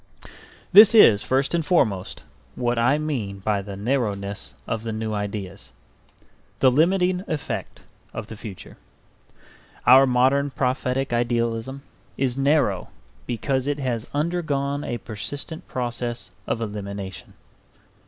This is, first and foremost, what I mean by the narrowness of the new ideas, the limiting effect of the future. Our modern prophetic idealism is narrow because it has undergone a persistent process of elimination.